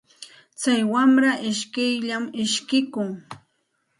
Tsay wamra ishkiyllam ishkikun.